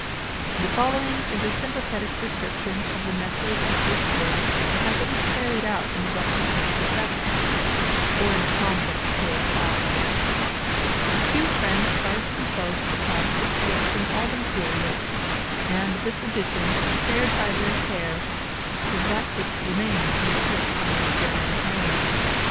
The following is a sympathetic description of the method of this work as it was carried out in the rocky chamber at Bethlehem, or in the convent close by: His two friends charged themselves with the task of collecting all the materials, and this edition, prepared by their care, is that which remains in the Church under Jerome's name....